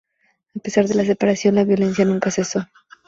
A pesar de la separación, la violencia nunca cesó.